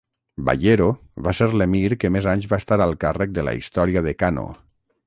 Bayero va ser l'emir que més anys va estar al càrrec de la història de Kano.